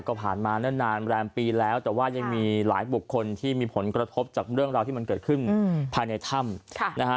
ก็ผ่านมาเนิ่นนานแรมปีแล้วแต่ว่ายังมีหลายบุคคลที่มีผลกระทบจากเรื่องราวที่มันเกิดขึ้นภายในถ้ำนะฮะ